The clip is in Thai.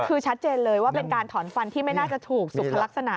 คือชัดเจนเลยว่าเป็นการถอนฟันที่ไม่น่าจะถูกสุขลักษณะ